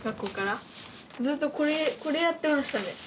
ずっとこれやってましたね